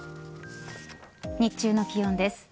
日中の気温です。